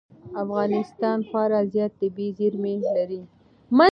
افغانستان خورا زیات طبعي زېرمې لري.